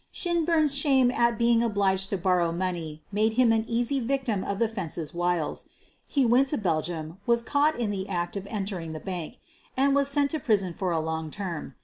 Shinburn 's shame at being obliged to borrow money made him an easy victim of the "fence's" wiles. He went to Belgium, was caught in the act of entering the bank, and was sent to prison for a long term.